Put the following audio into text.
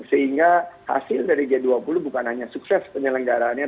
sehingga hasil dari g dua puluh bukan hanya sukses penyelenggaraannya